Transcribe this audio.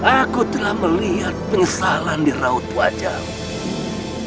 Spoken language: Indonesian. aku telah melihat penyesalan di raut wajahmu